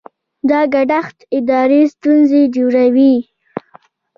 دا ګډښت اداري ستونزې جوړوي.